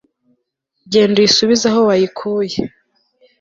genda uyisubize aho wayikuye